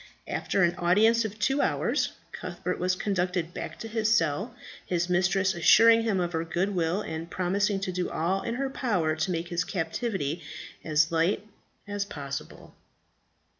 After an audience of two hours Cuthbert was conducted back to his cell, his mistress assuring him of her good will, and promising to do all in her power to make his captivity as light as possible.